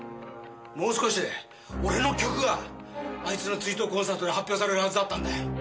もう少しで俺の曲があいつの追悼コンサートで発表されるはずだったんだよ。